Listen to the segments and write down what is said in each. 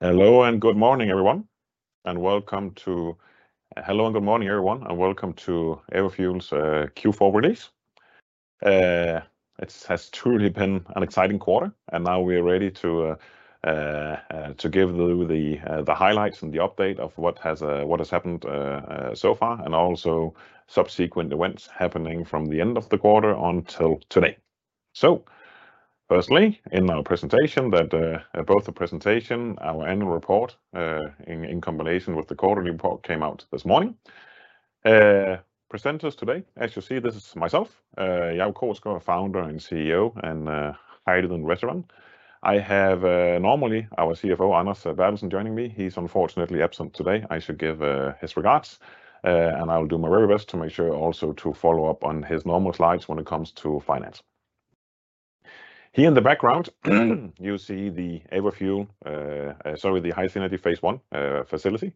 Hello and good morning, everyone, and welcome to Everfuel's Q4 release. It has truly been an exciting quarter, and now we are ready to give the highlights and the update of what has happened so far and also subsequent events happening from the end of the quarter until today. Firstly, in our presentation that both the presentation, our annual report, in combination with the quarterly report came out this morning. Presenters today, as you see, this is myself, Jacob Krogsgaard, Founder and CEO, and hydrogen veteran. I have normally our CFO, Anders Bertelsen, joining me. He's unfortunately absent today. I should give his regards. I will do my very best to make sure also to follow up on his normal slides when it comes to finance. Here in the background, you see the Everfuel, sorry, the HySynergy phase I facility.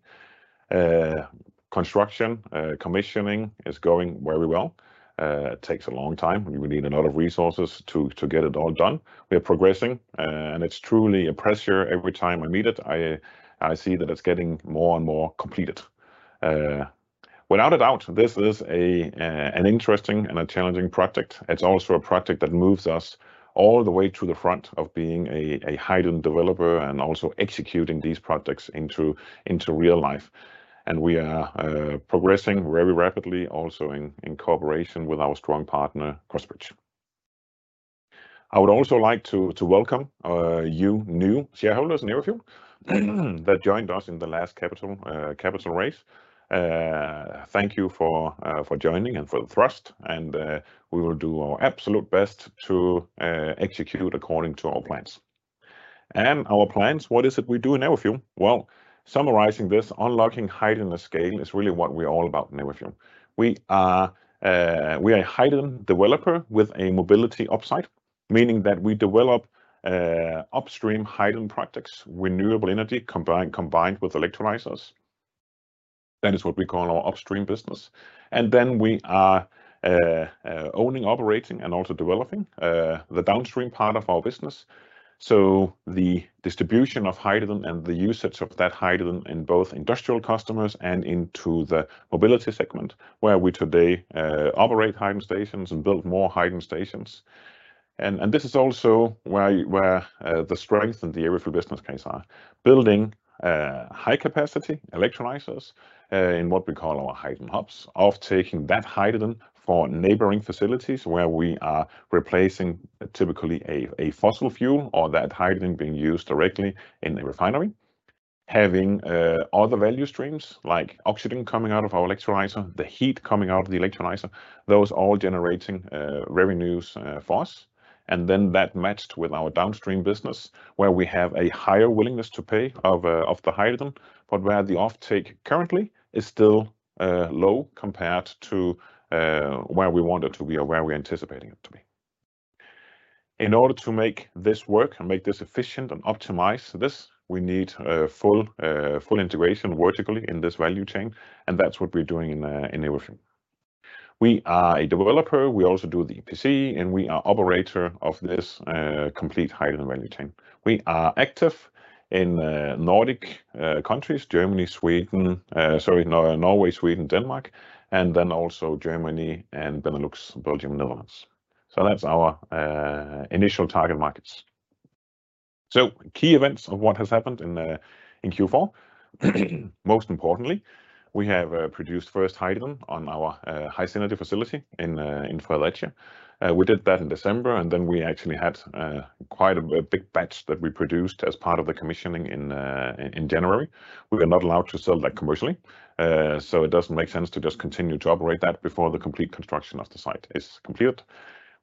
Construction commissioning is going very well. It takes a long time. We need a lot of resources to get it all done. We are progressing, and it's truly a pleasure every time I meet it, I see that it's getting more and more completed. Without a doubt, this is an interesting and a challenging project. It's also a project that moves us all the way to the front of being a hydrogen developer and also executing these projects into real life. We are progressing very rapidly also in cooperation with our strong partner, Crossbridge. I would also like to welcome you new shareholders in Everfuel that joined us in the last capital raise. Thank you for joining and for the trust. We will do our absolute best to execute according to our plans. Our plans, what is it we do in Everfuel? Well, summarizing this, unlocking hydrogen at scale is really what we're all about in Everfuel. We are a hydrogen developer with a mobility offsite, meaning that we develop upstream hydrogen projects, renewable energy combined with electrolysers. That is what we call our upstream business. We are owning, operating, and also developing the downstream part of our business. The distribution of hydrogen and the usage of that hydrogen in both industrial customers and into the mobility segment, where we today operate hydrogen stations and build more hydrogen stations. This is also where the strength in the Everfuel business case are building high-capacity electrolysers in what we call our hydrogen hubs, offtaking that hydrogen for neighboring facilities where we are replacing typically a fossil fuel or that hydrogen being used directly in the refinery, having other value streams like oxygen coming out of our electrolyser, the heat coming out of the electrolyzer, those all generating revenues for us. That matched with our downstream business, where we have a higher willingness to pay of the hydrogen, but where the offtake currently is still low compared to where we want it to be or where we are anticipating it to be. In order to make this work and make this efficient and optimize this, we need a full integration vertically in this value chain, and that's what we're doing in Everfuel. We are a developer. We also do the EPC, and we are operator of this complete hydrogen value chain. We are active in Nordic countries, Germany, Sweden, Norway, Sweden, Denmark, and also Germany and Benelux, Belgium, Netherlands. That's our initial target markets. Key events of what has happened in Q4. Most importantly, we have produced first hydrogen on our HySynergy facility in Fredericia. We did that in December, and then we actually had a big batch that we produced as part of the commissioning in January. We are not allowed to sell that commercially, so it doesn't make sense to just continue to operate that before the complete construction of the site is complete.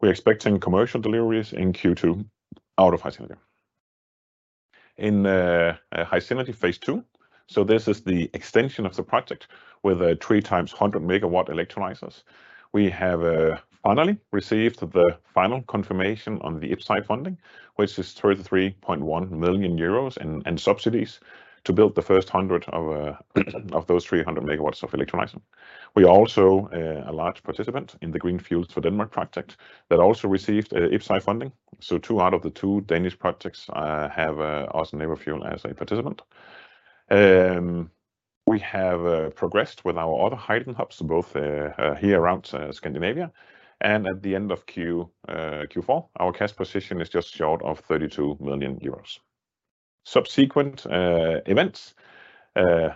We're expecting commercial deliveries in Q2 out of HySynergy. In HySynergy phase II, so this is the extension of the project with a 3x 100 MW electrolysers. We have finally received the final confirmation on the IPCEI funding, which is 33.1 million euros in subsidies to build the first 100 of those 300 MW of electrolysers. We are also a large participant in the Green Fuels for Denmark project that also received IPCEI funding. Two out of the two Danish projects have us, Everfuel, as a participant. We have progressed with our other hydrogen hubs, both here around Scandinavia and at the end of Q4. Our cash position is just short of 32 million euros. Subsequent events.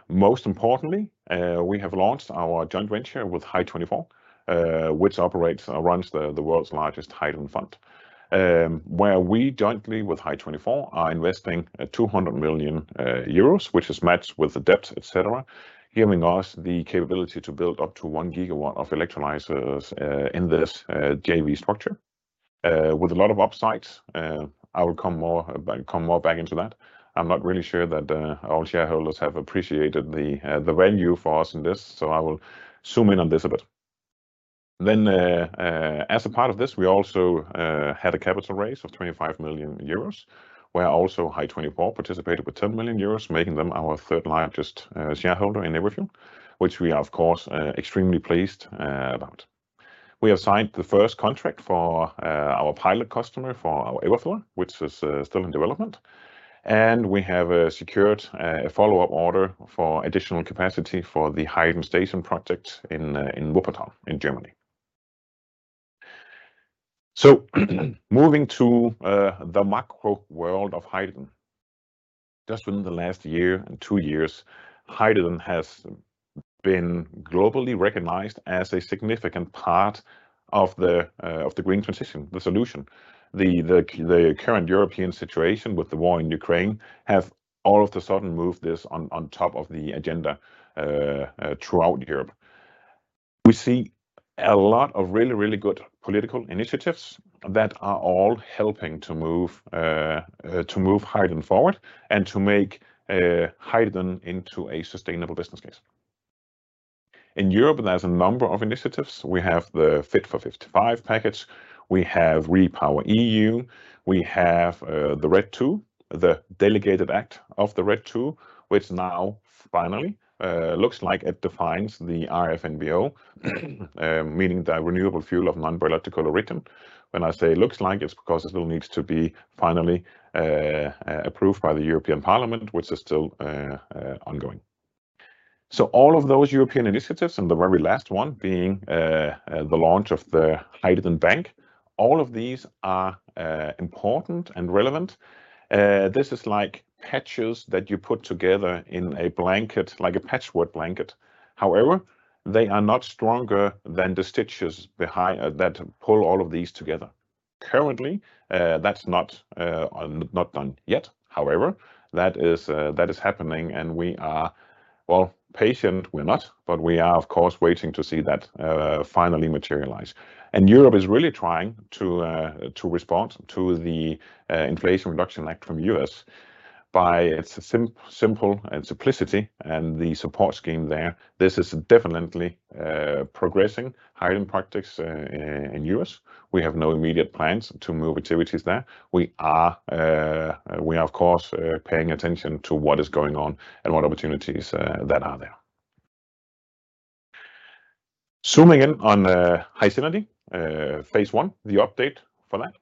Most importantly, we have launched our joint venture with Hy24, which operates or runs the world's largest hydrogen fund, where we jointly with Hy24 are investing 200 million euros, which is matched with the debt, et cetera, giving us the capability to build up to 1 gigawatt of electrolysers in this JV structure with a lot of upsides. I will come more back into that. I'm not really sure that all shareholders have appreciated the value for us in this. I will zoom in on this a bit. As a part of this, we also had a capital raise of 25 million euros, where also Hy24 participated with 10 million euros, making them our third-largest shareholder in Everfuel, which we are of course extremely pleased about. We have signed the first contract for our pilot customer for our Everfiller, which is still in development, and we have secured a follow-up order for additional capacity for the hydrogen station project in Wuppertal in Germany. Moving to the macro world of hydrogen. Just within the last year and two years, hydrogen has been globally recognized as a significant part of the green transition, the solution. The current European situation with the war in Ukraine have all of the sudden moved this on top of the agenda throughout Europe. We see a lot of really good political initiatives that are all helping to move hydrogen forward and to make hydrogen into a sustainable business case. In Europe, there's a number of initiatives. We have the Fit for 55 package. We have REPowerEU. We have the RED II, the Delegated Act of the RED II, which now finally looks like it defines the RFNBO, meaning the renewable fuel of non-biological origin. When I say it looks like, it's because it still needs to be finally approved by the European Parliament, which is still ongoing. All of those European initiatives, and the very last one being the launch of the Hydrogen Bank, all of these are important and relevant. This is like patches that you put together in a blanket, like a patchwork blanket. They are not stronger than the stitches behind that pull all of these together. Currently, that's not done yet. That is that is happening, and we are, well, patient we're not, but we are of course waiting to see that finally materialize. Europe is really trying to respond to the Inflation Reduction Act from U.S. by its simple and simplicity and the support scheme there. This is definitely progressing hydrogen practice in U.S. We have no immediate plans to move activities there. We are of course paying attention to what is going on and what opportunities there are there. Zooming in on HySynergy phase I, the update for that.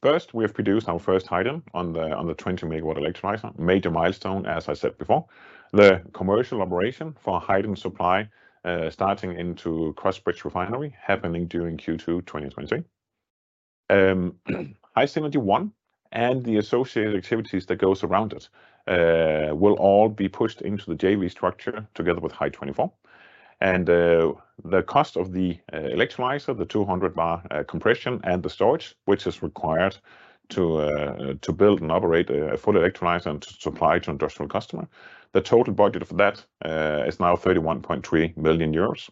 First, we have produced our first hydrogen on the 20 MW electrolyzer, major milestone as I said before. The commercial operation for hydrogen supply starting into Crossbridge Energy happening during Q2 2023. HySynergy one and the associated activities that goes around it will all be pushed into the JV structure together with Hy24. The cost of the electrolyzer, the 200 bar compression and the storage, which is required to build and operate a full electrolyzer and to supply to industrial customer, the total budget for that is now 31.3 million euros.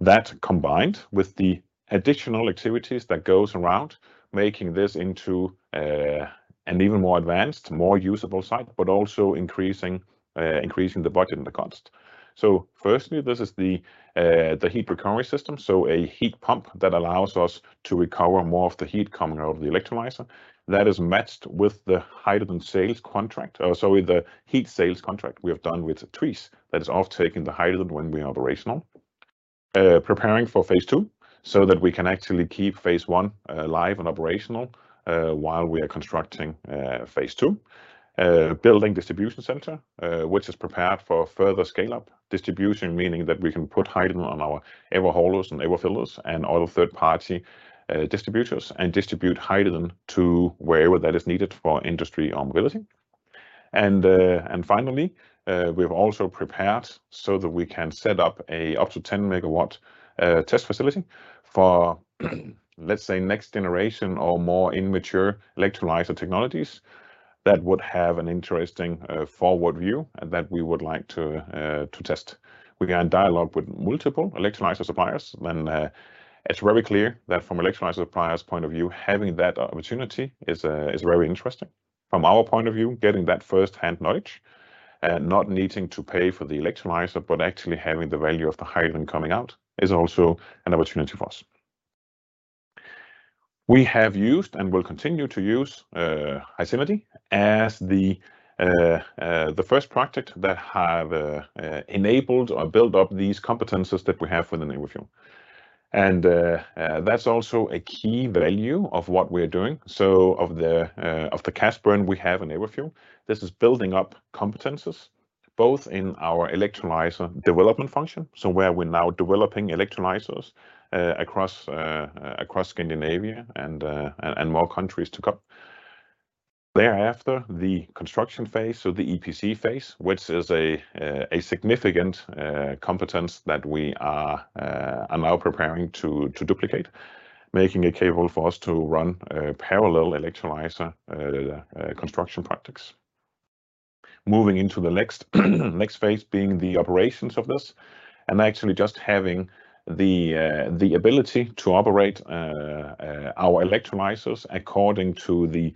That combined with the additional activities that goes around making this into an even more advanced, more usable site, but also increasing the budget and the cost. Firstly, this is the heat recovery system, a heat pump that allows us to recover more of the heat coming out of the electrolyzer. That is matched with the hydrogen sales contract, sorry, the heat sales contract we have done with TVIS that is offtaking the hydrogen when we are operational. Preparing for phase II so that we can actually keep phase I live and operational while we are constructing phase II. Building distribution center which is prepared for further scale-up. Distribution meaning that we can put hydrogen on our Everholos and Everfillers and all the third-party distributors and distribute hydrogen to wherever that is needed for industry or mobility. Finally, we have also prepared so that we can set up a up to 10 MW test facility for, let's say, next generation or more immature electrolyzer technologies that would have an interesting forward view that we would like to test. We are in dialogue with multiple electrolyzer suppliers, it's very clear that from electrolyzer suppliers' point of view, having that opportunity is very interesting. From our point of view, getting that firsthand knowledge, not needing to pay for the electrolyzer, but actually having the value of the hydrogen coming out is also an opportunity for us. We have used and will continue to use HySynergy as the first project that have enabled or built up these competencies that we have within Everfuel. That's also a key value of what we're doing. So of the of the cash burn we have in Everfuel, this is building up competencies both in our electrolyzer development function, so where we're now developing electrolysers across Scandinavia and more countries to come. The construction phase, so the EPC phase, which is a significant competence that we are now preparing to duplicate, making it capable for us to run parallel electrolyzer construction projects. Moving into the next phase being the operations of this, actually just having the ability to operate our electrolysers according to the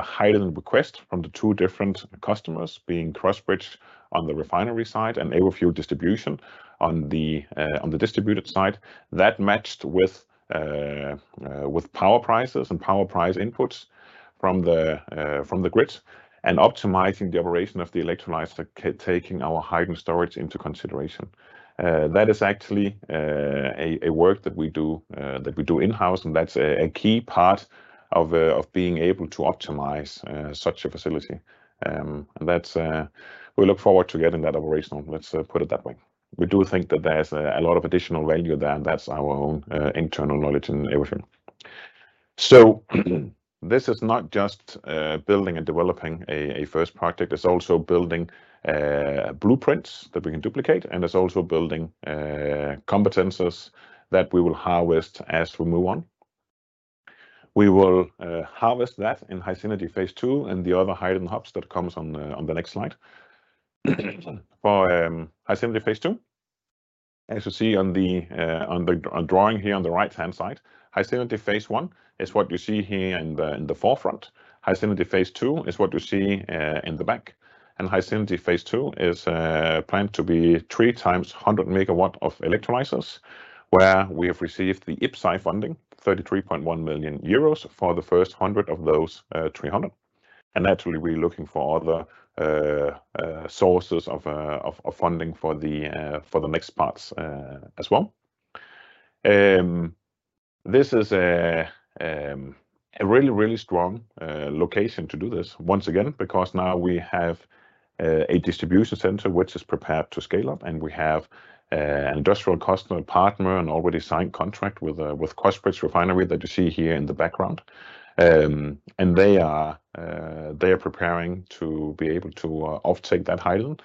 hydrogen request from the two different customers, being Crossbridge on the refinery side and Everfuel distribution on the distributed side. That matched with power prices and power price inputs from the grid, and optimizing the operation of the electrolyzer, taking our hydrogen storage into consideration. a work that we do in-house, and that's a key part of being able to optimize such a facility. And that's, we look forward to getting that operational, let's put it that way. We do think that there's a lot of additional value there, and that's our own internal knowledge in Everfuel. So this is not just building and developing a first project. It's also building blueprints that we can duplicate, and it's also building competencies that we will harvest as we move on. We will harvest that in HySynergy phase II and the other hydrogen hubs that comes on the next slide. HySynergy phase II, as you see on the drawing here on the right-hand side, HySynergy phase I is what you see here in the forefront. HySynergy phase II is what you see in the back. HySynergy phase II is planned to be 3x 100 MW of electrolysers, where we have received the IPCEI funding, 33.1 million euros for the first 100 of those 300. Naturally, we're looking for other sources of funding for the next parts as well. This is a really, really strong location to do this once again because now we have a distribution center which is prepared to scale up, and we have an industrial customer partner and already signed contract with Crossbridge Energy that you see here in the background. They are they are preparing to be able to off-take that hydrogen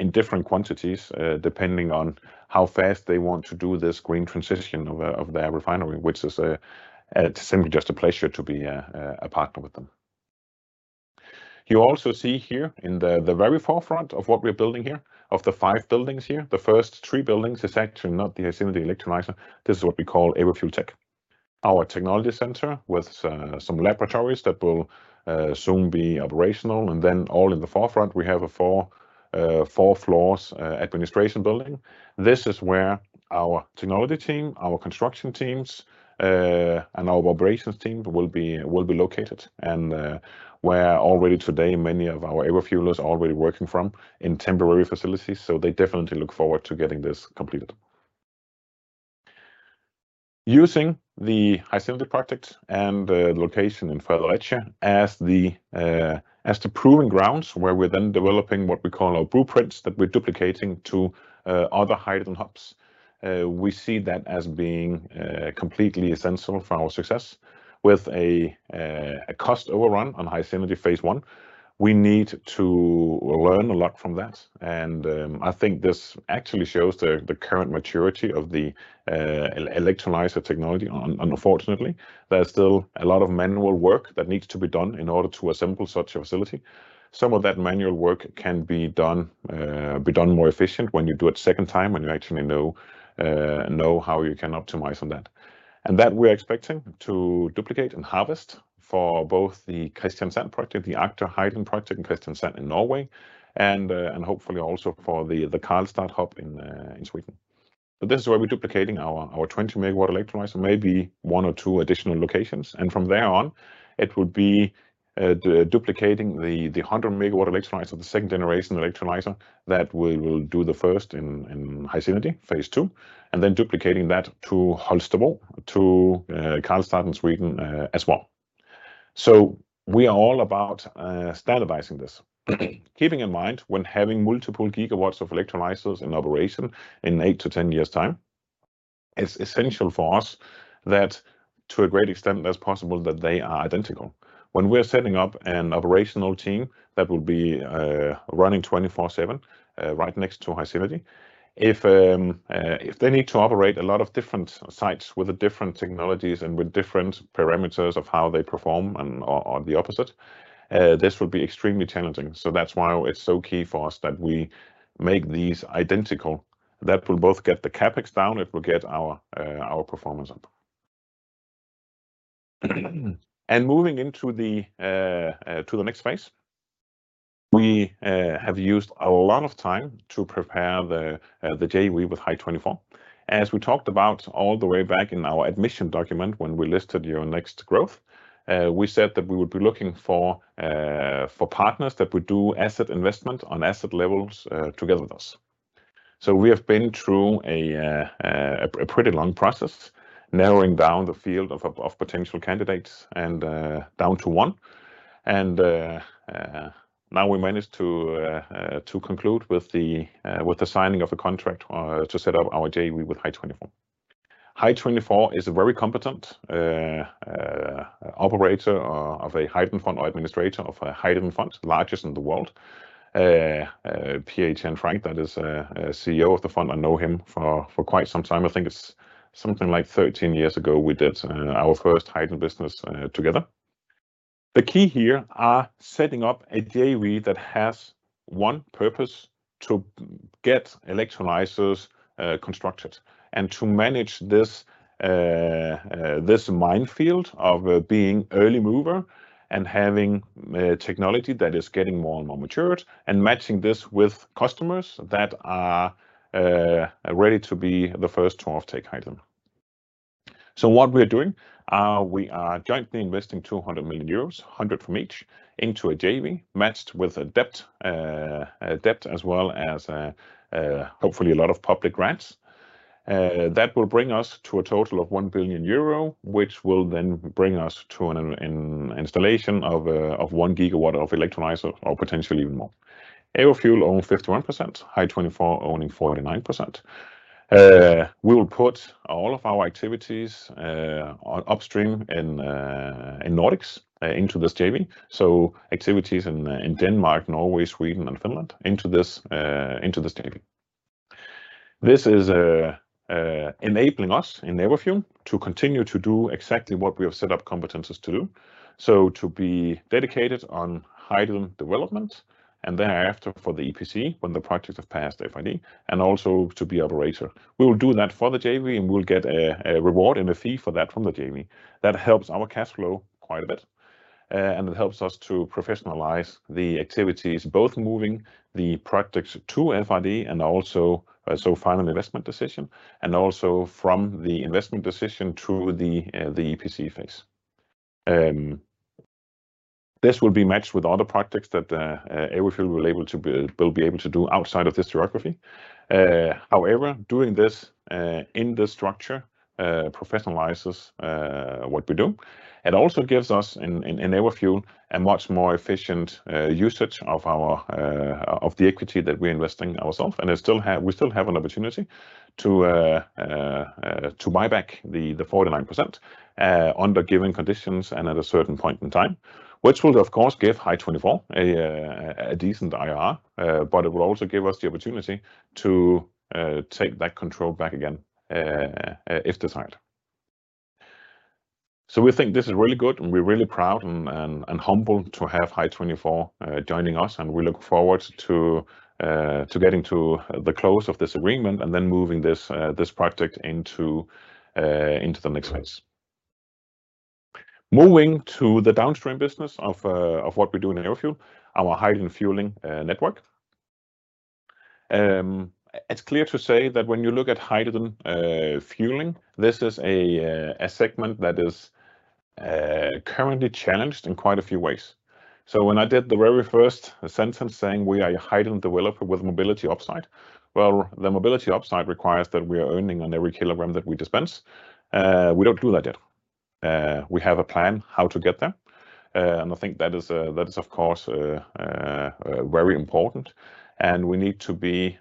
in different quantities depending on how fast they want to do this green transition of their refinery, which is it's simply just a pleasure to be a partner with them. You also see here in the very forefront of what we're building here, of the five buildings here, the first three buildings is actually not the HySynergy electrolyzer. This is what we call Everfuel Tech, our technology center with some laboratories that will soon be operational. All in the forefront, we have a four floors administration building. This is where our technology team, our construction teams, and our operations team will be located, where already today many of our Everfuelers are already working from in temporary facilities. They definitely look forward to getting this completed. Using the HySynergy project and the location in Fredericia as the proving grounds where we're then developing what we call our blueprints that we're duplicating to other hydrogen hubs, we see that as being completely essential for our success. With a cost overrun on HySynergy phase I, we need to learn a lot from that. I think this actually shows the current maturity of the electrolyzer technology unfortunately. There's still a lot of manual work that needs to be done in order to assemble such a facility. Some of that manual work can be done more efficient when you do it second time, when you actually know how you can optimize on that. That we're expecting to duplicate and harvest for both the Kristiansand project, the Aker hydrogen project in Kristiansand in Norway, and hopefully also for the Karlstad hub in Sweden. This is why we're duplicating our 20 MW electrolyzer, maybe one or two additional locations, and from there on, it would be duplicating the 100 MW electrolyzer, the second-generation electrolyzer, that we will do the first in HySynergy phase II, and then duplicating that to Holstebro, to Karlstad in Sweden as well. We are all about standardizing this. Keeping in mind when having multiple gigawatts of electrolysers in operation in eight-10 years' time, it's essential for us that to a great extent as possible that they are identical. We are setting up an operational team that will be running 24/7 right next to high 30. If they need to operate a lot of different sites with the different technologies and the different parameters of how they perform and are the opposite, this would be extremely challenging. So that's why it's so key for us that we make these identical, that we both get the CapEx down, that we get our performance up. And moving into the next phase, we have used a lot of time to prepare the deal with Hy24. As we talked about all the way back in our admission document when we listed here in the next growth, we said that we would be looking for partners that could do asset investment on asset levels together with us. We have been through a pretty long process, narrowing down the field of potential candidates and down to one. Now we managed to conclude with the signing of a contract to set up our JV with Hy24. Hy24 is a very competent operator of a hydrogen fund or administrator of a hydrogen fund, largest in the world. Pierre-Etienne Franc, that is CEO of the fund, I know him for quite some time. I think it's something like 13 years ago, we did our first hydrogen business together. The key here are setting up a JV that has one purpose, to get electrolysers constructed and to manage this minefield of being early mover and having technology that is getting more and more matured and matching this with customers that are ready to be the first to off-take hydrogen. What we are doing, we are jointly investing 200 million euros, 100 million from each, into a JV matched with a debt as well as hopefully a lot of public grants. That will bring us to a total of 1 billion euro, which will then bring us to an installation of 1 gigawatt of electrolyzer or potentially even more. Everfuel own 51%, Hy24 owning 49%. We will put all of our activities on upstream in Nordics into this JV, so activities in Denmark, Norway, Sweden, and Finland into this into this JV. This is enabling us in Everfuel to continue to do exactly what we have set up competencies to do. To be dedicated on hydrogen development and thereafter for the EPC when the projects have passed FID, and also to be operator. We will do that for the JV, and we will get a reward and a fee for that from the JV that helps our cash flow quite a bit. It helps us to professionalize the activities, both moving the projects to FID and also, so final investment decision, and also from the investment decision to the EPC phase. This will be matched with other projects that Everfuel will be able to do outside of this geography. However, doing this in this structure professionalizes what we do. It also gives us in Everfuel a much more efficient usage of our of the equity that we're investing ourself, and we still have an opportunity to buy back the 49% under given conditions and at a certain point in time, which will of course give Hy24 a decent IRR. It will also give us the opportunity to take that control back again if desired. We think this is really good, and we're really proud and humbled to have Hy24 joining us. We look forward to getting to the close of this agreement and then moving this project into the next phase. Moving to the downstream business of what we do in Everfuel, our hydrogen fueling network. It's clear to say that when you look at hydrogen fueling, this is a segment that is currently challenged in quite a few ways. When I did the very first sentence saying we are a hydrogen developer with mobility upside, well, the mobility upside requires that we are earning on every kilogram that we dispense. We don't do that yet. We have a plan how to get there. I think that is of course very important. We need to be,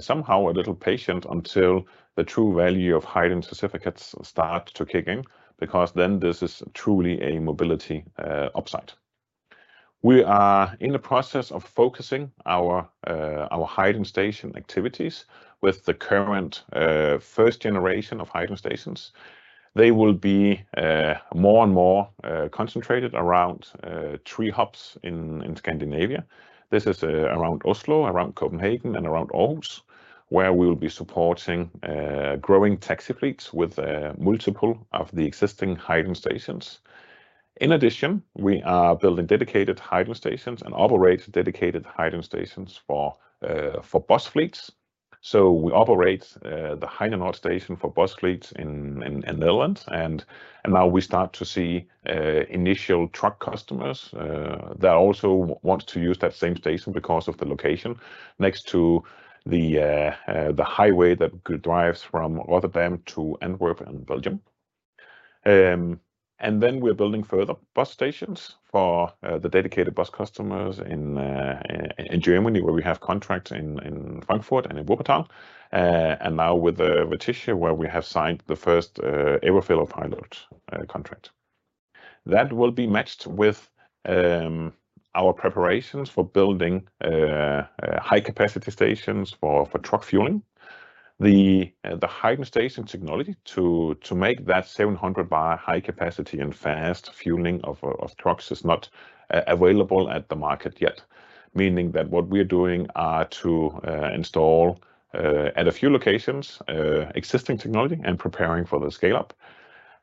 somehow a little patient until the true value of hydrogen certificates start to kick in, because then this is truly a mobility upside. We are in the process of focusing our hydrogen station activities with the current first generation of hydrogen stations. They will be more and more concentrated around three hubs in Scandinavia. This is around Oslo, around Copenhagen and around Aarhus, where we will be supporting growing taxi fleets with multiple of the existing hydrogen stations. In addition, we are building dedicated hydrogen stations and operate dedicated hydrogen stations for for bus fleets. We operate the Heinen station for bus fleets in Netherlands. Now we start to see initial truck customers that also want to use that same station because of the location next to the highway that drives from Rotterdam to Antwerp in Belgium. Then we're building further bus stations for the dedicated bus customers in Germany, where we have contracts in Frankfurt and in Wuppertal. Now with Vestische, where we have signed the first Everfuel pilot contract. That will be matched with our preparations for building high-capacity stations for truck fueling. The hydrogen station technology to make that 700 bar high capacity and fast fueling of trucks is not available at the market yet. Meaning that what we are doing are to install at a few locations existing technology and preparing for the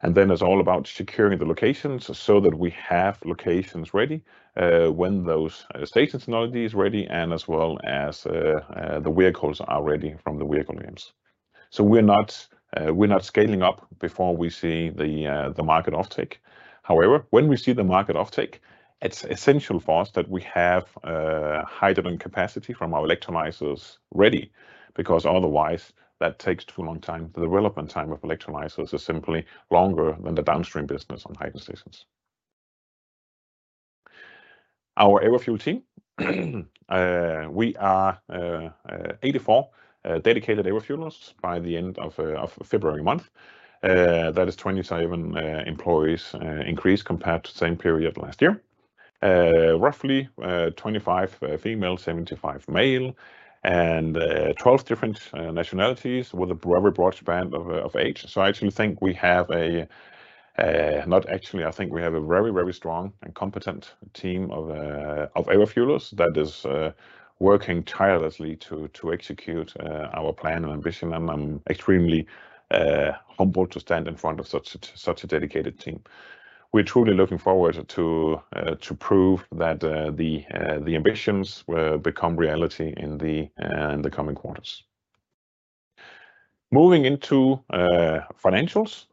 scale-up. It's all about securing the locations so that we have locations ready when those station technology is ready and as well as the vehicles are ready from the vehicle names. We're not scaling up before we see the market offtake. However, when we see the market offtake, it's essential for us that we have hydrogen capacity from our electrolysers ready, because otherwise that takes too long time. The development time of electrolysers is simply longer than the downstream business on hydrogen stations. Our Everfuel team, we are 84 dedicated Everfuelers by the end of February month. That is 27 employees increase compared to the same period last year. Roughly 25 female, 75 male, and 12 different nationalities with a very broad band of age. I actually think we have a not actually, I think we have a very strong and competent team of Everfuelers that is working tirelessly to execute our plan and ambition. I'm extremely humbled to stand in front of such a dedicated team. We're truly looking forward to prove that the ambitions will become reality in the coming quarters. Moving into financials.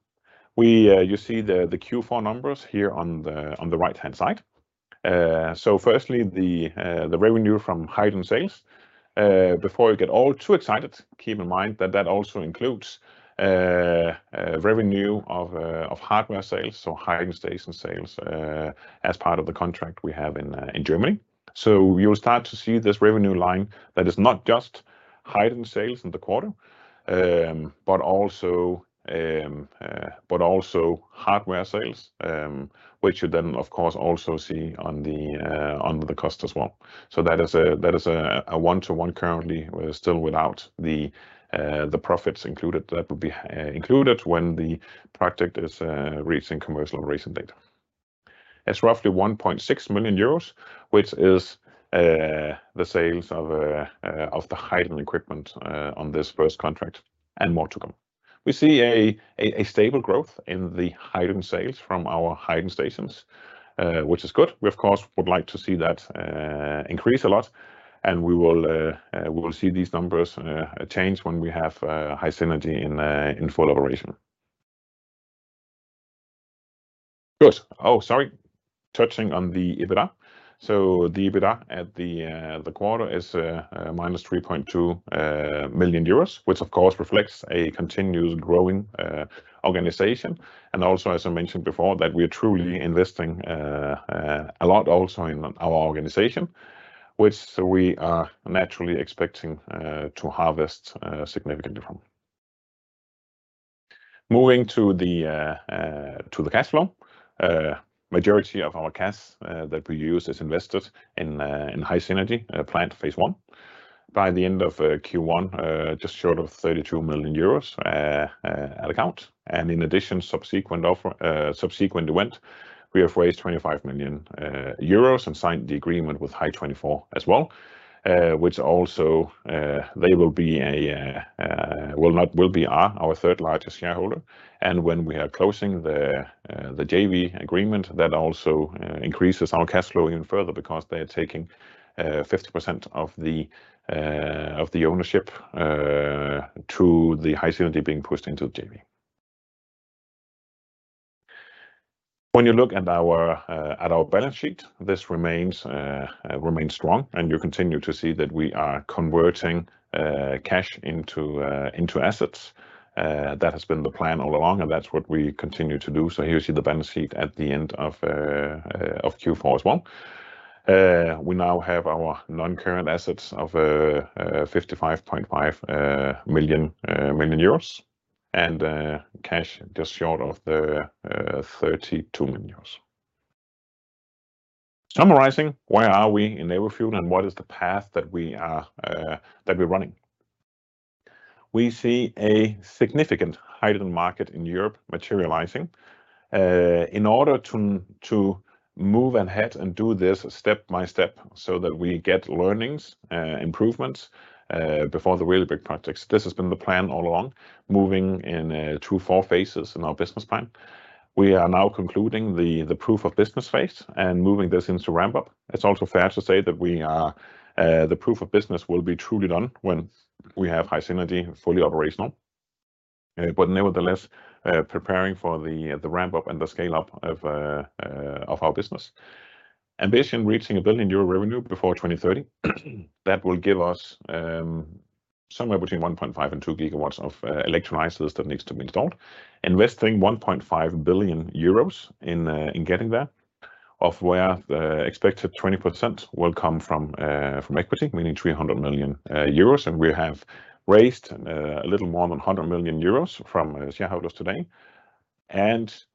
We you see the Q4 numbers here on the right-hand side. Firstly, the revenue from hydrogen sales. Before you get all too excited, keep in mind that that also includes revenue of hardware sales, so hydrogen station sales as part of the contract we have in Germany. You will start to see this revenue line that is not just hydrogen sales in the quarter, but also hardware sales, which you then of course also see on the cost as well. That is a one-to-one currently. We're still without the profits included. That would be included when the project is reaching commercial operation date. It's roughly 1.6 million euros, which is the sales of the hydrogen equipment on this first contract and more to come. We see a stable growth in the hydrogen sales from our hydrogen stations, which is good. We of course would like to see that increase a lot, and we will see these numbers change when we have HySynergy in full operation. Good. Oh, sorry. Touching on the EBITDA. The EBITDA at the quarter is minus 3.2 million euros, which of course reflects a continuous growing organization. Also as I mentioned before, that we are truly investing a lot also in our organization, which we are naturally expecting to harvest significantly from. Moving to the cash flow. Majority of our cash that we use is invested in HySynergy plant phase I. By the end of Q1, just short of 32 million euros at account. In addition, subsequent event, we have raised 25 million euros and signed the agreement with Hy24 as well, which also, they will be our third-largest shareholder. When we are closing the JV agreement, that also increases our cash flow even further because they are taking 50% of the ownership to the HySynergy being pushed into the JV. When you look at our balance sheet, this remains strong, and you continue to see that we are converting cash into assets. That has been the plan all along, and that's what we continue to do. Here you see the balance sheet at the end of Q4 as well. We now have our non-current assets of 55.5 million, and cash just short of 32 million euros. Summarizing, where are we in Everfuel, and what is the path that we are that we're running? We see a significant hydrogen market in Europe materializing. In order to move ahead and do this step by step so that we get learnings, improvements, before the really big projects, this has been the plan all along, moving in two, four phases in our business plan. We are now concluding the proof-of-business phase and moving this into ramp-up. It's also fair to say that we are, the proof of business will be truly done when we have HySynergy fully operational. But nevertheless, preparing for the ramp-up and the scale-up of our business. Ambition, reaching 1 billion euro revenue before 2030. That will give us, somewhere between 1.5 and 2 gigawatts of electrolysers that needs to be installed. Investing 1.5 billion euros in getting there, of where the expected 20% will come from equity, meaning 300 million, euros. We have raised, a little more than 100 million euros from shareholders today.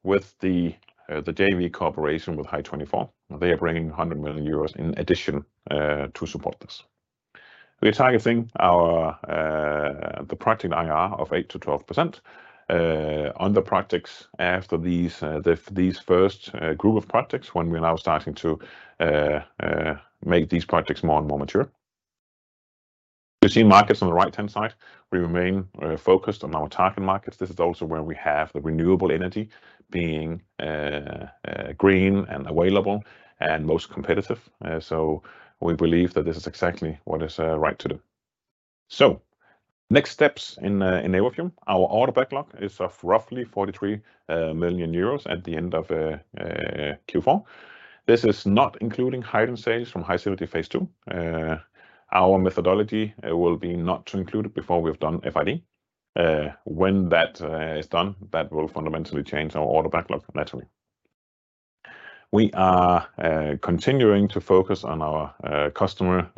With the JV cooperation with Hy24, they are bringing 100 million euros in addition, to support this. We are targeting our the projected IRR of 8%-12% on the projects after these first group of projects when we are now starting to make these projects more and more mature. You see markets on the right-hand side. We remain focused on our target markets. This is also where we have the renewable energy being green and available and most competitive. We believe that this is exactly what is right to do. Next steps in Everfuel. Our order backlog is of roughly 43 million euros at the end of Q4. This is not including hydrogen sales from HySynergy phase II. Our methodology will be not to include it before we've done FID. When that is done, that will fundamentally change our order backlog naturally. We are continuing to focus on our customer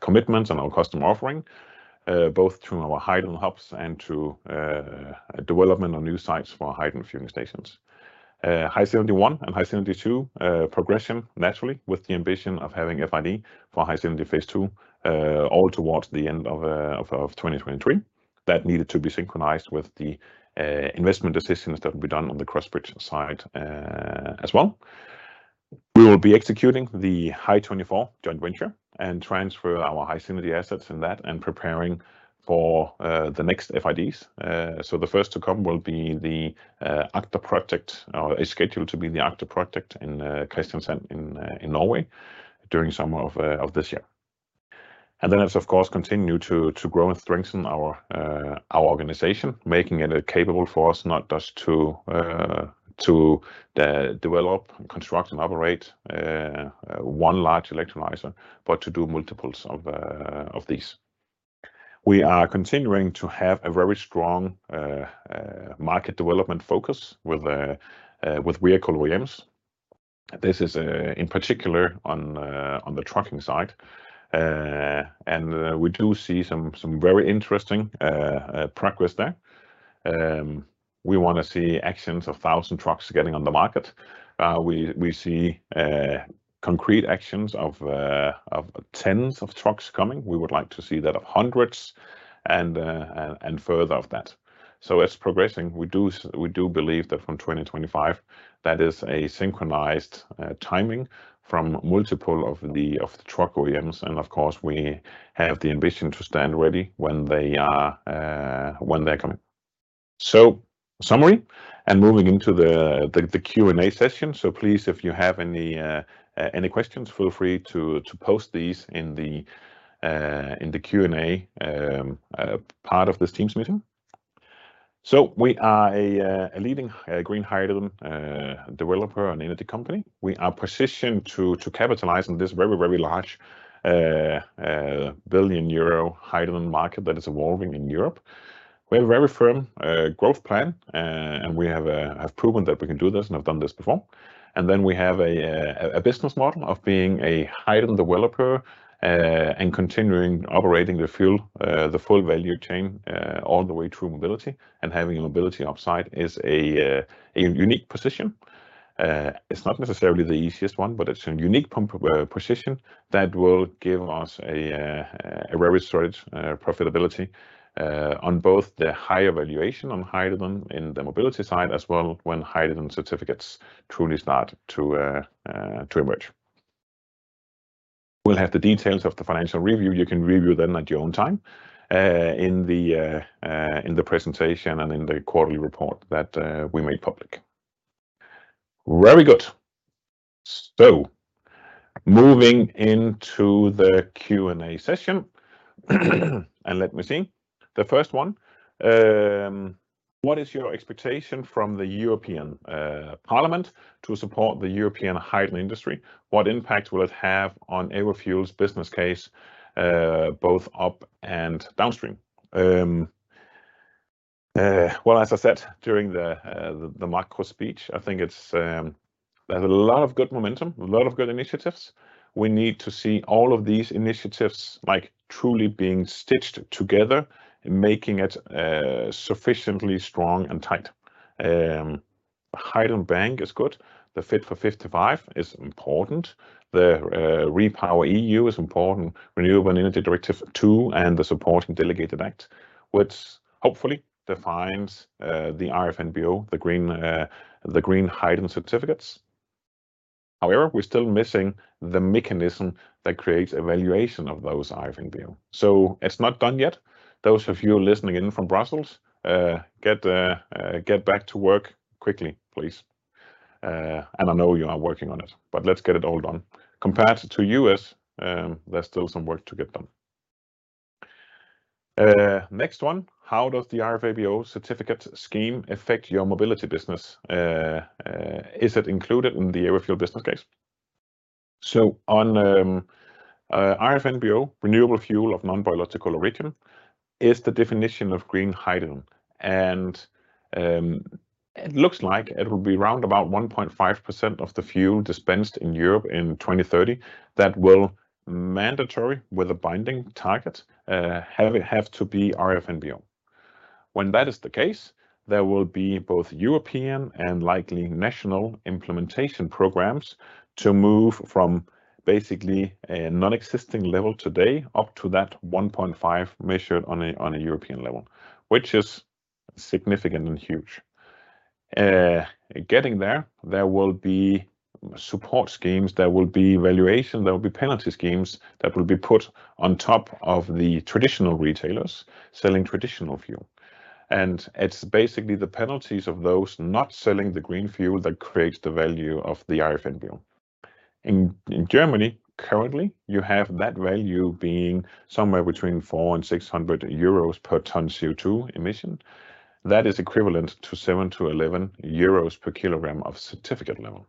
commitments and our customer offering, both through our hydrogen hubs and through development on new sites for hydrogen fueling stations. HySynergy One and HySynergy Two progression naturally with the ambition of having FID for HySynergy phase II all towards the end of 2023. That needed to be synchronized with the investment decisions that will be done on the Crossbridge side as well. We will be executing the Hy24 joint venture and transfer our HySynergy assets in that and preparing for the next FIDs. The first to come will be the ACTA project, or is scheduled to be the ACTA project in Kristiansand in Norway during summer of this year. It's of course continue to grow and strengthen our organization, making it a capable force not just to develop, construct, and operate one large electrolyzer, but to do multiples of these. We are continuing to have a very strong market development focus with vehicle volumes. This is in particular on the trucking side. We do see some very interesting progress there. We wanna see actions of 1,000 trucks getting on the market. We see concrete actions of tens of trucks coming. We would like to see that of hundreds and further of that. It's progressing. We do believe that from 2025, that is a synchronized timing from multiple of the truck OEMs, and of course we have the ambition to stand ready when they are when they're coming. Summary, and moving into the Q&A session. Please, if you have any questions, feel free to post these in the Q&A part of this Teams meeting. We are a leading green hydrogen developer and energy company. We are positioned to capitalize on this very large billion-euro hydrogen market that is evolving in Europe. We have a very firm growth plan, and we have proven that we can do this and have done this before. Then we have a business model of being a hydrogen developer, and continuing operating the fuel, the full value chain, all the way through mobility. Having a mobility upside is a unique position. It's not necessarily the easiest one, but it's a unique position that will give us a very storage profitability on both the higher valuation on hydrogen in the mobility side, as well when hydrogen certificates truly start to emerge. We'll have the details of the financial review. You can review them at your own time, in the presentation and in the quarterly report that we made public. Very good. Moving into the Q&A session. Let me see. The first one: What is your expectation from the European Parliament to support the European hydrogen industry? What impact will it have on Everfuel's business case, both up and downstream? Well, as I said during the macro speech, I think there's a lot of good momentum, a lot of good initiatives. We need to see all of these initiatives, like, truly being stitched together and making it sufficiently strong and tight. Hydrogen Bank is good. The Fit for 55 is important. The REPowerEU is important. Renewable Energy Directive II and the supporting Delegated Act, which hopefully defines the RFNBO, the green hydrogen certificates. However, we're still missing the mechanism that creates a valuation of those RFNBO. It's not done yet. Those of you listening in from Brussels, get back to work quickly, please. I know you are working on it, but let's get it all done. Compared to U.S., there's still some work to get done. Next one: How does the RFNBO certificate scheme affect your mobility business? Is it included in the Everfuel business case? RFNBO, renewable fuel of non-biological origin, is the definition of green hydrogen, and it looks like it will be around about 1.5% of the fuel dispensed in Europe in 2030 that will mandatory, with a binding target, have to be RFNBO. When that is the case, there will be both European and likely national implementation programs to move from basically a non-existing level today up to that 1.5 measured on a European level, which is significant and huge. Getting there will be support schemes, there will be valuation, there will be penalty schemes that will be put on top of the traditional retailers selling traditional fuel. It's basically the penalties of those not selling the green fuel that creates the value of the RFNBO. In Germany currently, you have that value being somewhere between 400-600 euros per ton CO2 emission. That is equivalent to 7- 11 euros per kilogram of certificate level.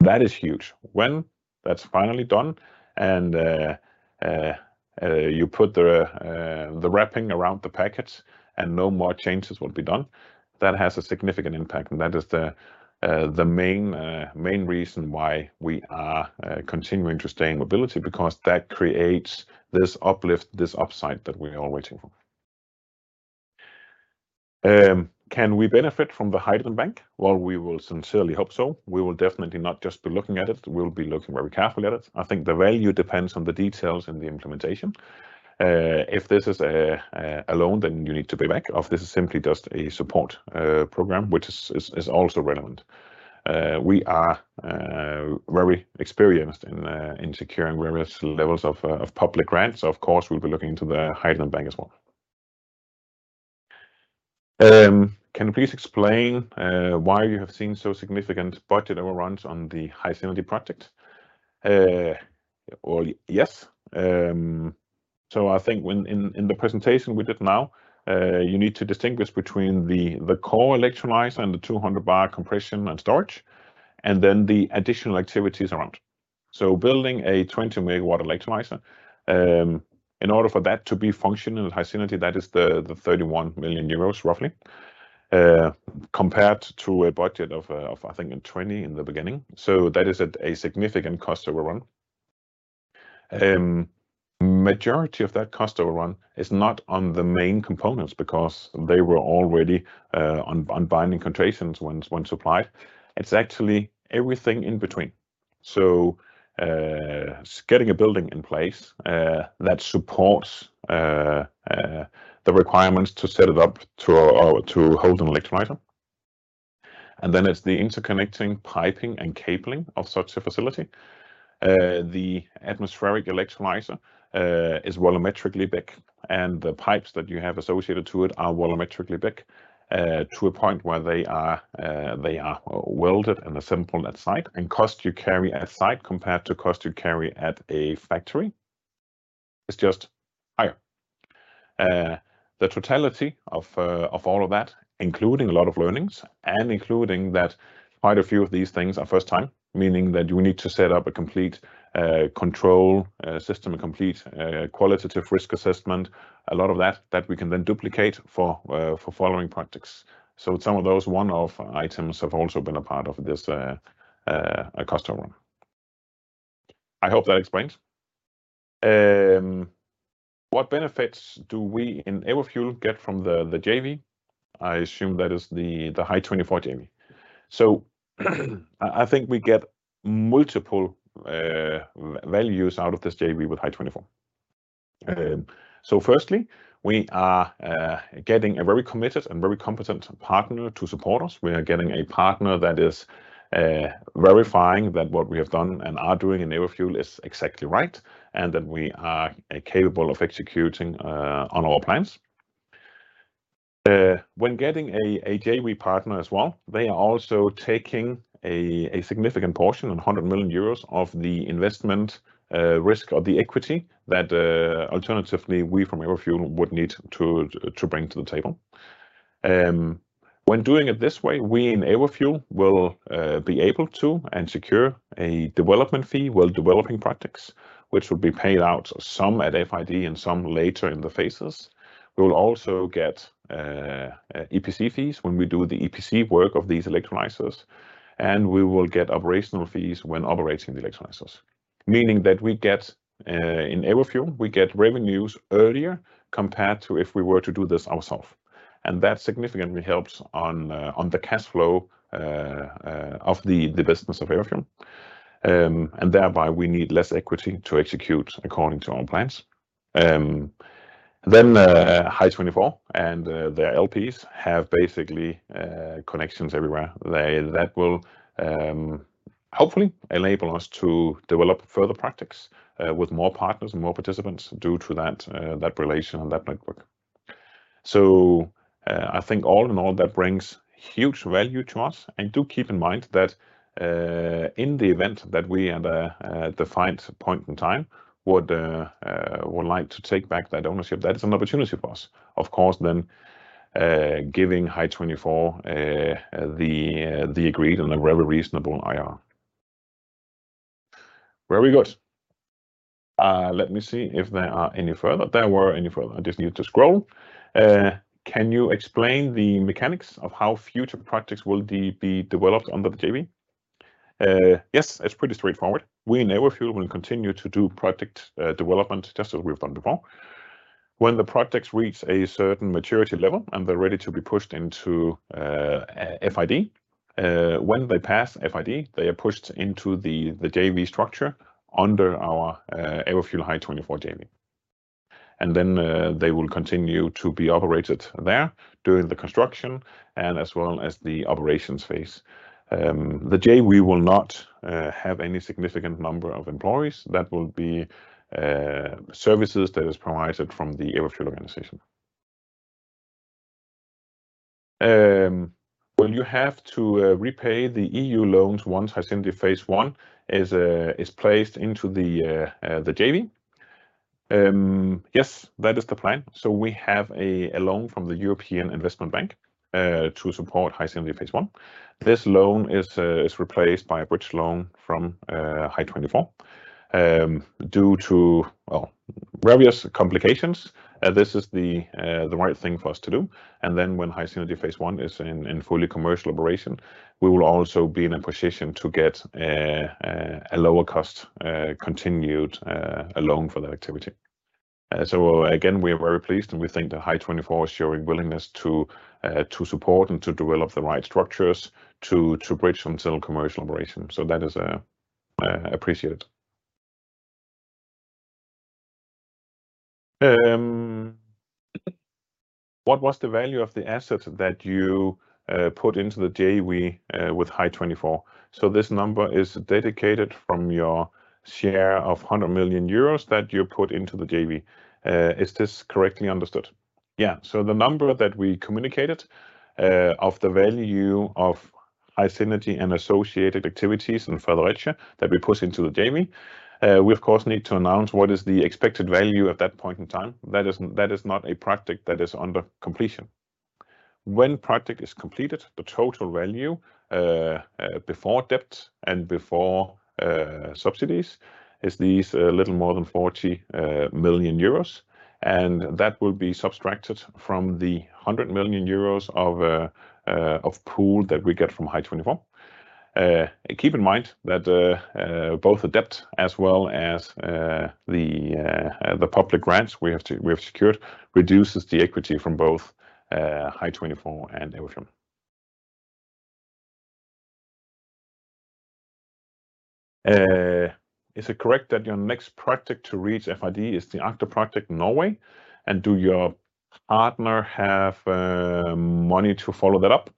That is huge. When that's finally done and you put the wrapping around the packets and no more changes will be done, that has a significant impact. That is the main reason why we are continuing to stay in mobility, because that creates this uplift, this upside that we are all waiting for. Can we benefit from the European Hydrogen Bank? We will sincerely hope so. We will definitely not just be looking at it. We'll be looking very carefully at it. I think the value depends on the details and the implementation. If this is a loan, then you need to pay back, or if this is simply just a support program, which is also relevant. We are very experienced in securing various levels of public grants, so of course we'll be looking into the hydrogen bank as well. Can you please explain why you have seen so significant budget overruns on the HySynergy project? Well, yes. I think when in the presentation we did now, you need to distinguish between the core electrolyzer and the 200 bar compression and storage. Then the additional activities around. Building a 20-megawatt electrolyzer, in order for that to be functional at HySynergy, that is the 31 million euros roughly, compared to a budget of I think in 20 in the beginning. That is at a significant cost overrun. Majority of that cost overrun is not on the main components because they were already on binding contractions once supplied. It's actually everything in between. Getting a building in place that supports the requirements to set it up to hold an electrolyzer, and then it's the interconnecting piping and cabling of such a facility. The atmospheric electrolyzer is volumetrically big, and the pipes that you have associated to it are volumetrically big to a point where they are welded and assembled at site, and cost you carry at site compared to cost you carry at a factory is just higher. The totality of all of that, including a lot of learnings and including that quite a few of these things are first time, meaning that you need to set up a complete control system, a complete qualitative risk assessment, a lot of that we can then duplicate for following projects. Some of those one-off items have also been a part of this cost overrun. I hope that explains. What benefits do we in Everfuel get from the JV? I assume that is the Hy24 JV. I think we get multiple values out of this JV with Hy24. Firstly, we are getting a very committed and very competent partner to support us. We are getting a partner that is verifying that what we have done and are doing in Everfuel is exactly right, and that we are capable of executing on our plans. When getting a JV partner as well, they are also taking a significant portion, 100 million euros, of the investment risk of the equity that alternatively we from Everfuel would need to bring to the table. When doing it this way, we in Everfuel will be able to and secure a development fee while developing projects, which will be paid out some at FID and some later in the phases. We will also get EPC fees when we do the EPC work of these electrolysers, and we will get operational fees when operating the electrolysers, meaning that we get in Everfuel, we get revenues earlier compared to if we were to do this ourself, and that significantly helps on the cash flow of the business of Everfuel. Thereby we need less equity to execute according to our plans. Hy24 and their LPs have basically connections everywhere. That will hopefully enable us to develop further projects with more partners and more participants due to that relation and that network. I think all in all, that brings huge value to us. Do keep in mind that, in the event that we at a defined point in time would like to take back that ownership, that is an opportunity for us. Of course, then, giving Hy24, the agreed and a very reasonable IR. Very good. Let me see if there are any further. There were any further. I just needed to scroll. Can you explain the mechanics of how future projects will be developed under the JV? Yes. It's pretty straightforward. We in Everfuel will continue to do project development just as we have done before. When the projects reach a certain maturity level, and they're ready to be pushed into a FID, when they pass FID, they are pushed into the JV structure under our Everfuel Hy24 JV. They will continue to be operated there during the construction and as well as the operations phase. The JV will not have any significant number of employees. That will be services that is provided from the Everfuel organization. Will you have to repay the EU loans once HySynergy phase I is placed into the JV? Yes, that is the plan. We have a loan from the European Investment Bank to support HySynergy phase I. This loan is replaced by a bridge loan from Hy24. Due to, well, various complications, this is the right thing for us to do. When HySynergy phase I is in fully commercial operation, we will also be in a position to get a lower cost continued loan for that activity. Again, we are very pleased, and we think that Hy24 is showing willingness to support and to develop the right structures to bridge until commercial operation. That is appreciated. What was the value of the assets that you put into the JV with Hy24? This number is dedicated from your share of 100 million euros that you put into the JV. Is this correctly understood? Yeah. The number that we communicated of the value of HySynergy and associated activities in Fredericia that we put into the JV, we of course need to announce what is the expected value at that point in time. That is not a project that is under completion. When project is completed, the total value before debt and before subsidies is these a little more than 40 million euros, and that will be subtracted from the 100 million euros of pool that we get from Hy24. Keep in mind that both the debt as well as the public grants we have secured reduces the equity from both Hy24 and Everfuel. Is it correct that your next project to reach FID is the ACTA project Norway, and do your partner have money to follow that up?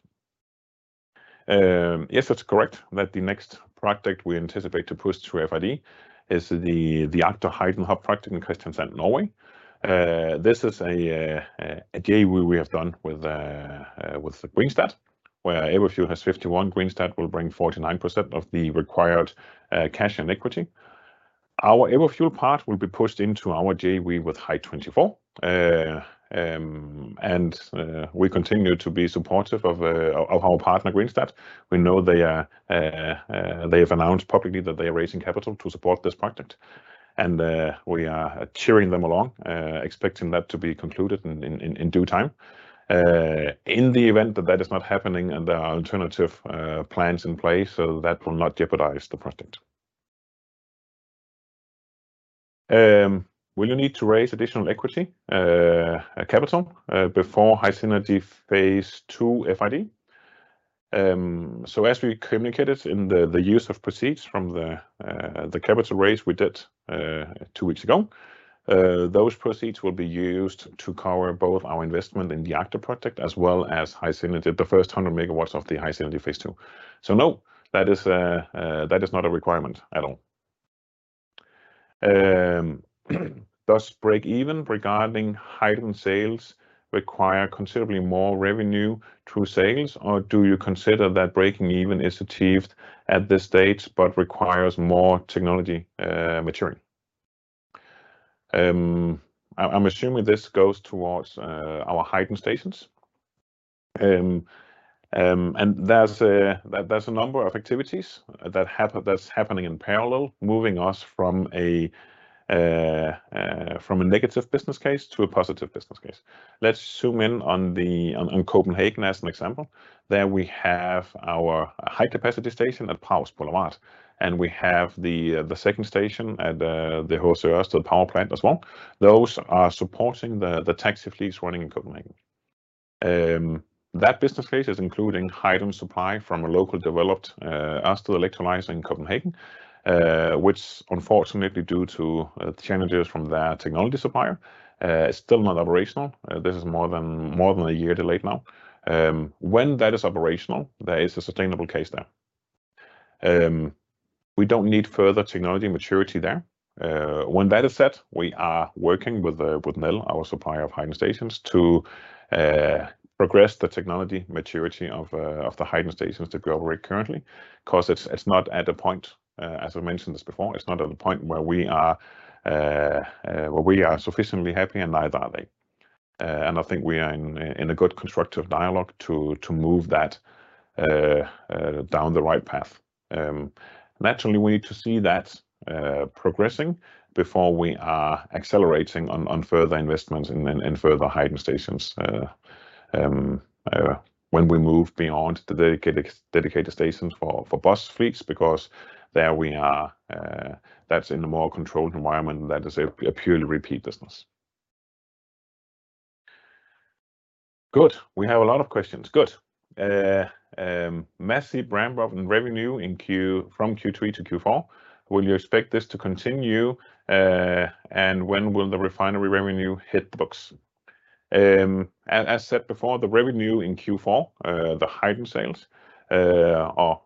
Yes, that's correct that the next project we anticipate to push through FID is the ACTA hydrogen hub project in Kristiansand, Norway. This is a JV we have done with Greenstat, where Everfuel has 51, Greenstat will bring 49% of the required cash and equity. Our Everfuel part will be pushed into our JV with Hy24. We continue to be supportive of our partner Greenstat. We know they have announced publicly that they are raising capital to support this project, we are cheering them along, expecting that to be concluded in due time. In the event that that is not happening and there are alternative plans in place, that will not jeopardize the project. Will you need to raise additional equity capital before HySynergy phase II FID? As we communicated in the use of proceeds from the capital raise we did two weeks ago, those proceeds will be used to cover both our investment in the ACTA project as well as HySynergy, the first 100 MW of the HySynergy phase II. No, that is not a requirement at all. Does break-even regarding hydrogen sales require considerably more revenue through sales, or do you consider that breaking even is achieved at this stage but requires more technology maturing? I'm assuming this goes towards our hydrogen stations. There's a number of activities that's happening in parallel, moving us from a negative business case to a positive business case. Let's zoom in on Copenhagen as an example. There we have our high-capacity station that powers Solaris and we have the second station at the H.C. Ørsted Power Plant as well. Those are supporting the taxi fleets running in Copenhagen. That business case is including hydrogen supply from a local developed Ørsted electrolyzer in Copenhagen, which unfortunately, due to challenges from the technology supplier, is still not operational. This is more than a year delayed now. When that is operational, there is a sustainable case there. We don't need further technology maturity there. When that is set, we are working with Nel, our supplier of hydrogen stations, to progress the technology maturity of the hydrogen stations that we operate currently. 'Cause it's not at a point, as I mentioned this before, it's not at a point where we are sufficiently happy and neither are they. I think we are in a good constructive dialogue to move that down the right path. Naturally, we need to see that progressing before we are accelerating on further investments in further hydrogen stations, when we move beyond the dedicated stations for bus fleets because there we are, that's in a more controlled environment. That is a purely repeat business. Good. We have a lot of questions. Good. massive ramp-up in revenue from Q3 to Q4. Will you expect this to continue? When will the refinery revenue hit the books? As said before, the revenue in Q4, the hydrogen sales, or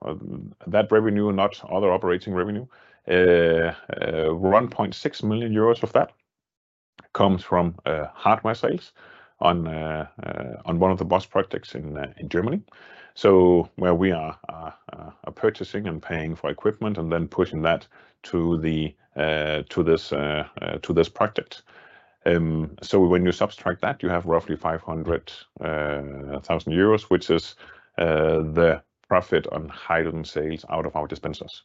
that revenue, not other operating revenue, 1.6 million euros of that comes from hardware sales on one of the bus projects in Germany. Where we are purchasing and paying for equipment and then pushing that to this project. When you subtract that, you have roughly 500,000 euros, which is the profit on hydrogen sales out of our dispensers.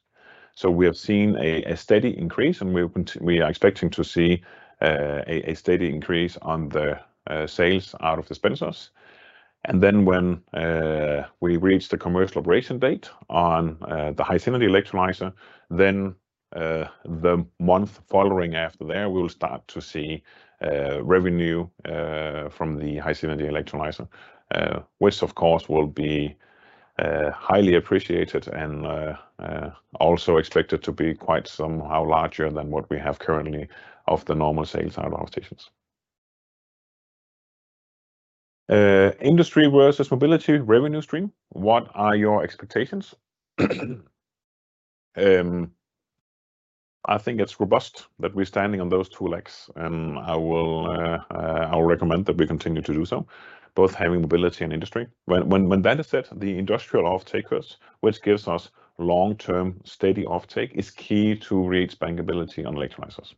We have seen a steady increase, and we are expecting to see a steady increase on the sales out of dispensers. When we reach the commercial operation date on the HySynergy electrolyzer, the month following after there we will start to see revenue from the HySynergy electrolyzer, which of course will be highly appreciated and also expected to be quite somehow larger than what we have currently of the normal sales out of our stations. Industry versus mobility revenue stream. What are your expectations? I think it's robust that we're standing on those two legs, and I will I'll recommend that we continue to do so, both having mobility and industry. When that is set, the industrial off-takers, which gives us long-term steady offtake, is key to reach bankability on electrolysers.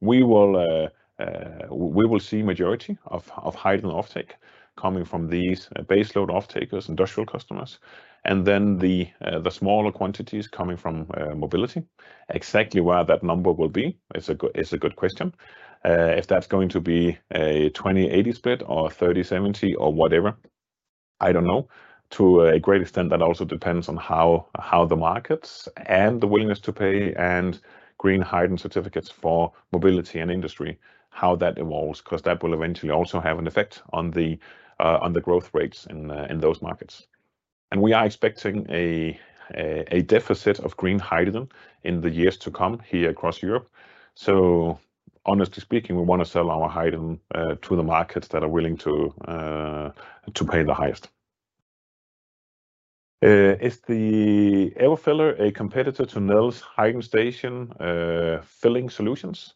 We will see majority of hydrogen offtake coming from these baseload off-takers, industrial customers, and then the smaller quantities coming from mobility. Exactly where that number will be is a good question. If that's going to be a 20-80 split or a 30-70 or whatever, I don't know. To a great extent, that also depends on how the markets and the willingness to pay and green hydrogen certificates for mobility and industry, how that evolves, 'cause that will eventually also have an effect on the growth rates in those markets. We are expecting a deficit of green hydrogen in the years to come here across Europe. Honestly speaking, we wanna sell our hydrogen to the markets that are willing to pay the highest. Is the Everfiller a competitor to Nel's hydrogen station filling solutions?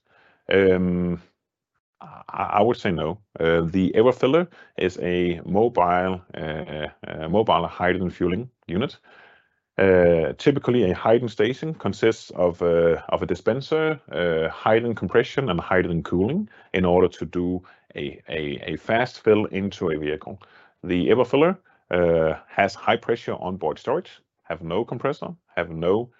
I would say no. The Everfiller is a mobile hydrogen fueling unit. Typically a hydrogen station consists of a dispenser, hydrogen compression, and hydrogen cooling in order to do a fast fill into a vehicle. The Everfiller has high pressure onboard storage, have no compressor, have no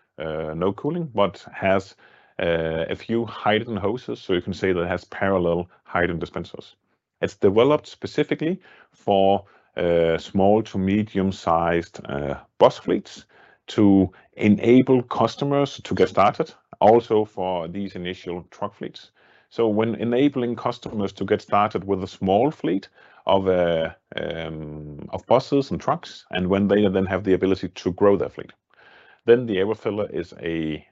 cooling, but has a few hydrogen hoses, so you can say that it has parallel hydrogen dispensers. It's developed specifically for small to medium-sized bus fleets to enable customers to get started, also for these initial truck fleets. When enabling customers to get started with a small fleet of buses and trucks, and when they then have the ability to grow their fleet, then the Everfiller is a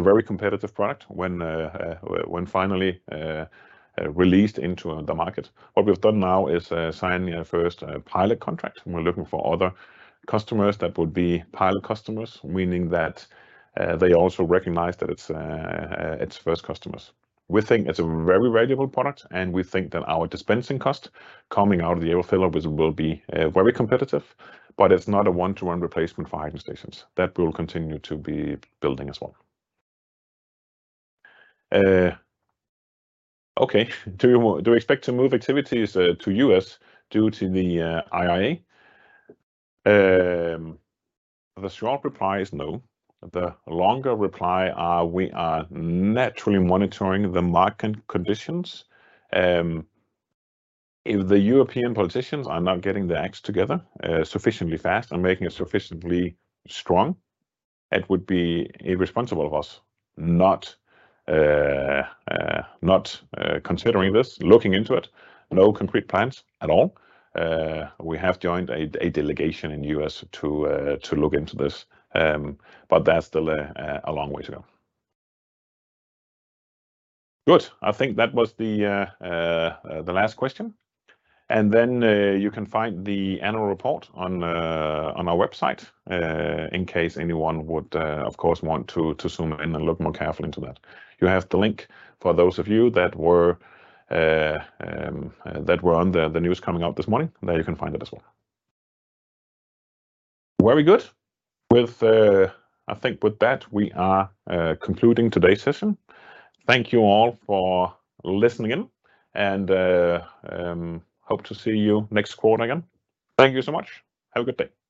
very competitive product when finally released into the market. What we've done now is sign a first pilot contract, and we're looking for other customers that would be pilot customers, meaning that they also recognize that it's first customers. We think it's a very valuable product, and we think that our dispensing cost coming out of the Everfiller was, will be very competitive, but it's not a one-to-one replacement for hydrogen stations. That we'll continue to be building as well. Okay. Do you expect to move activities to US due to the IRA? The short reply is no. The longer reply, we are naturally monitoring the market conditions. If the European politicians are not getting their acts together sufficiently fast and making it sufficiently strong, it would be irresponsible of us not considering this, looking into it. No concrete plans at all. We have joined a delegation in U.S. to look into this. That's still a long way to go. Good. I think that was the last question. Then, you can find the annual report on our website, in case anyone would of course want to zoom in and look more carefully into that. You have the link for those of you that were on the news coming out this morning, there you can find it as well. Very good. With I think with that, we are concluding today's session. Thank you all for listening in and hope to see you next quarter again. Thank you so much. Have a good day.